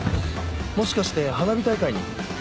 もしかして花火大会に？